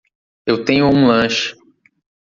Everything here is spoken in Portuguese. Eu tenho um lanche